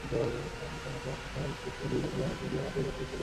ছাউনির সম্মুখে এক কঙ্করময় শুষ্ক নদীগর্ভ, উহার মধ্য দিয়া পাঁচটি তটিনী চলিয়াছে।